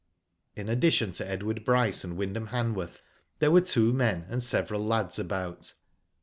In addition to Edward Bryce and Wyndham Hanworth, there were two men and several lads about.